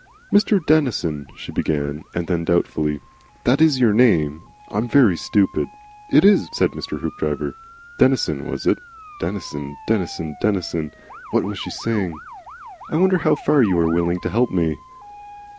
"Mr. Denison," she began, and then, doubtfully, "That is your name? I'm very stupid " "It is," said Mr. Hoopdriver. (Denison, was it? Denison, Denison, Denison. What was she saying?) "I wonder how far you are willing to help me?"